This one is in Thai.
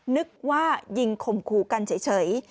นึกว่ายิงคมครูกันเฉย